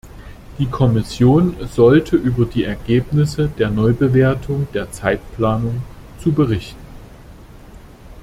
Die Kommission sollte über die Ergebnisse der Neubewertung der Zeitplanung zu berichten.